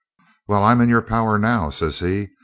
'Well, I'm in your power now,' says he.